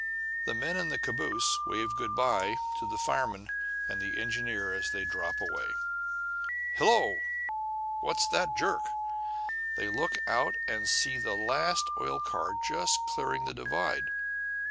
The men in the caboose wave good by to the fireman and engineer as they drop away. Hello! What's that jerk? They look out and see the last oil car just clearing the divide.